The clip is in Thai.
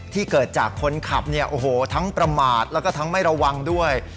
เกิดจากคนขับเนี่ยโอ้โหทั้งประมาทแล้วก็ทั้งไม่ระวังด้วย